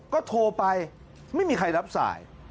ก็โทรไปไม่มีใครรับสาย